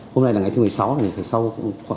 hôm nay là ngày thứ một mươi sáu